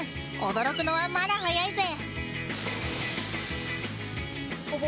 驚くのは、まだ早いぜ。